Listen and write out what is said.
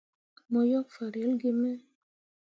Mo yok farelle gi me.